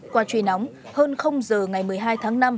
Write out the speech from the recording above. qua truy nóng hơn giờ ngày một mươi hai tháng năm